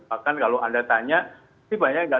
bahkan kalau anda tanya sih banyak yang